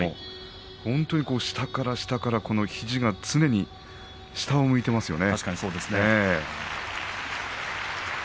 本当に下から下から常に肘が下を向いてますね。